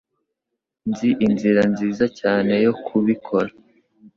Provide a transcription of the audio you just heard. Nzi inzira nziza cyane yo kubikora.